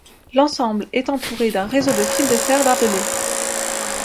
L'ensemble est entouré d'un réseau de fils de fer barbelés.